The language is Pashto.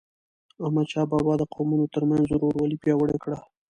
احمدشاه بابا د قومونو ترمنځ ورورولي پیاوړی کړه.